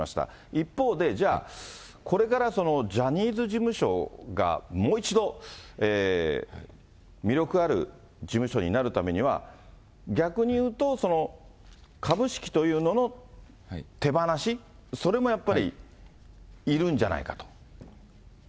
一方でじゃあ、これからジャニーズ事務所がもう一度、魅力ある事務所になるためには、逆に言うと株式というのの手放し、それもやっぱりいるんじゃないかと。